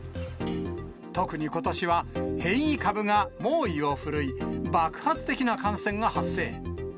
特にことしは変異株が猛威を振るい、爆発的な感染が発生。